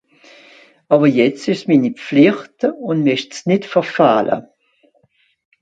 Àwwer jetzt ìsch's mini Pflìcht ùn mächt's nìtt verfähle.